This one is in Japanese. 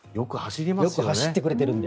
よく走ってくれているので。